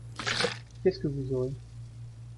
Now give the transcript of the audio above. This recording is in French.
Qu'est-ce qu evous aurez ?